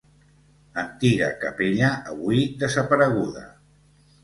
Antiga capella avui desapareguda.